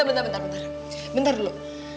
bentar bentar bentar bentar dulu